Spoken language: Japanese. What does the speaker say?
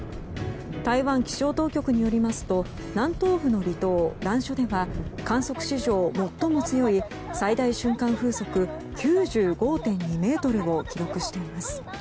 台湾気象当局によりますと南東の離島ランショでは観測史上最も強い最大瞬間風速９５．２メートルを記録しています。